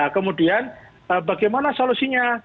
kemudian bagaimana solusinya